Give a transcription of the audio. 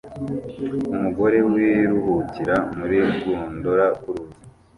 Umugore wiruhukira muri gondola kuruzi